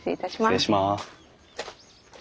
失礼します。